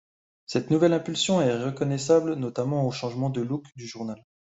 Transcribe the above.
Cette nouvelle impulsion est reconnaissable notamment au changement de look du journal.